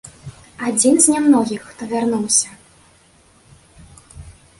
Адзін з нямногіх, хто вярнуўся.